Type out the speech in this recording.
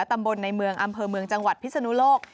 ตำบลในเมืองอำเภอเมืองจังหวัดพิศนุโลก